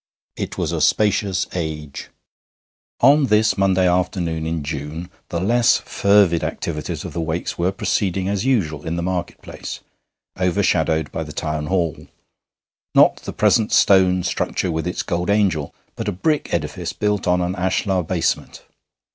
It was a spacious age. On this Monday afternoon in June the less fervid activities of the Wakes were proceeding as usual in the market place, overshadowed by the Town Hall not the present stone structure with its gold angel, but a brick edifice built on an ashlar basement.